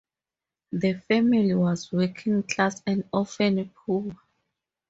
The family was working class and often poor.